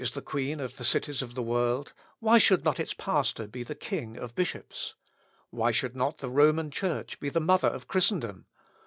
If Rome is queen of the cities of the world, why should not its pastor be the king of bishops? Why should not the Roman Church be the mother of Christendom?